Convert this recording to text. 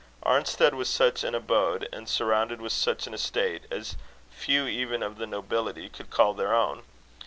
Arnstead was such an abode, and surrounded with such an estate, as few even of the nobility could call their own.